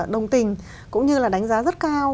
đồng tình cũng như là đánh giá rất cao